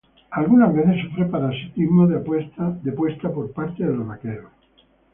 Algunas veces sufre parasitismo de puesta por parte de los vaqueros.